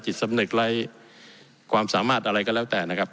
สำนึกไร้ความสามารถอะไรก็แล้วแต่นะครับ